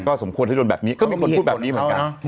สมควรที่โดนแบบนี้ก็มีคนพูดแบบนี้เหมือนกัน